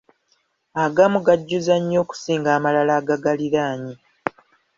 Agamu gajjuza nnyo okusinga amalala agagaliraanye.